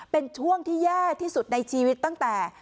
เป็นช่วงที่แย่ที่สุดในชีวิตตั้งแต่